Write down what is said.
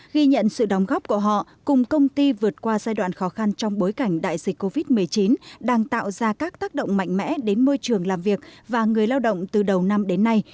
ghi nhận sự đóng góp của họ cùng công ty vượt qua giai đoạn khó khăn trong bối cảnh đại dịch covid một mươi chín đang tạo ra các tác động mạnh mẽ đến môi trường làm việc và người lao động từ đầu năm đến nay